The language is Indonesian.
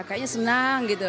kayaknya senang gitu